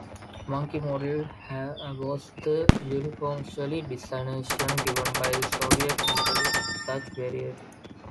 Monkey model was the unofficial designation given by the Soviet Military to such variants.